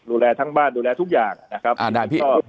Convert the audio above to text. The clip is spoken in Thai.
ดูแลทั้งบ้านดูแลทุกอย่างนะครับ